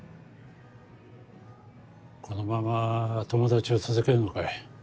このまま友達を続けるのかい？